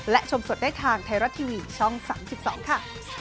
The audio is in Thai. และชมสดได้ทางไทยรัฐทีวีช่อง๓๒ค่ะ